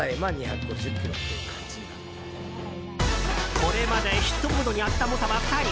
これまでヒットボードに当てた猛者は２人。